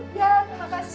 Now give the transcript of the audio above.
ya terima kasih